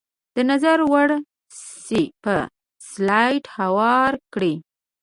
د نظر وړ شی په سلایډ هوار کړئ.